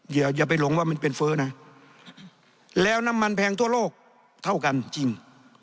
อย่าไปหลงว่ามันเป็นเฟ้อนะแล้วน้ำมันแพงทั่วโลกเท่ากันจริง